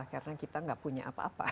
karena kita gak punya apa apa